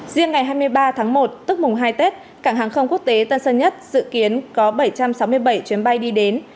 riêng ngày hai mươi ba tháng một tức mùng hai tết cảng hàng không quốc tế tân sơn nhất dự kiến có bảy trăm sáu mươi bảy chuyến bay đi đến